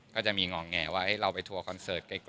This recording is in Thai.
ก็จะมีหง่างแงว่าให้เราแบบทัวคอนเซิร์ตไกล